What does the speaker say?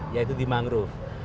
yaitu di mangrove